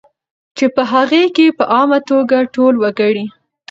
چې په هغې کې په عامه توګه ټول وګړي